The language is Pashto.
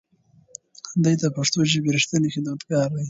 دی د پښتو ژبې رښتینی خدمتګار دی.